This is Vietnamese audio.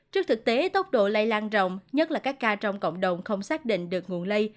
trước thực tế tốc độ lây lan rộng nhất là các ca trong cộng đồng không xác định được nguồn lây